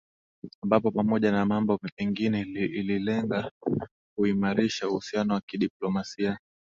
ambapo pamoja na mambo mingine ililenga kuimarisha uhusiano wa kidiplomasia